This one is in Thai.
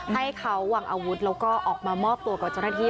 ให้เขาวางอาวุธแล้วก็ออกมามอบตัวกับเจ้าหน้าที่